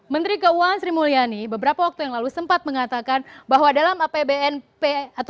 menteri keuangan sri mulyani beberapa waktu yang lalu sempat mengatakan bahwa dalam apbnp dua ribu tujuh belas